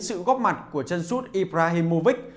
sự góp mặt của chân sút ibrahimovic